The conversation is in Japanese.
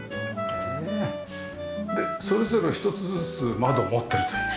でそれぞれ１つずつ窓を持ってるという。